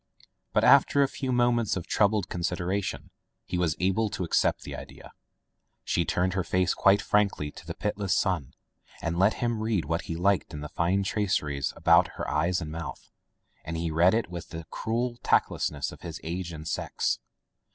'* But after a few moments of troubled consideration he Was able to accept the idea. She turned her face quite frankly to the pitiless sunlight, and let him read what he liked in the fine traceries about her eyes and mouth. And he read it with the cruel tactlessness of his age and sex.